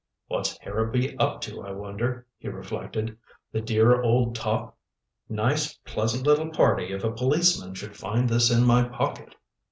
"What's Harrowby up to, I wonder?" he reflected "The dear old top! Nice, pleasant little party if a policeman should find this in my pocket."